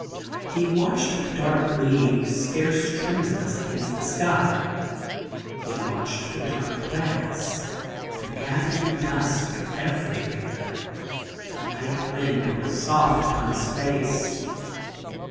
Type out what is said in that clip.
He watched the dark leaves scarce tremulous against the sky ; he watched the dark grass, the gathering dusk everywhere; the night wind was soft upon his face.